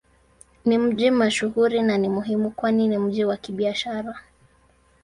Ni mji mashuhuri na ni muhimu kwani ni mji wa Kibiashara.